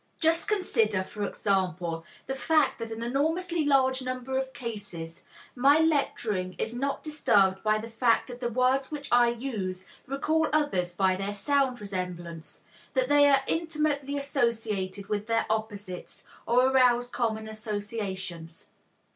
Just consider, for example, the fact that in an enormously large number of cases, my lecturing is not disturbed by the fact that the words which I use recall others by their sound resemblance, that they are intimately associated with their opposites, or arouse common associations.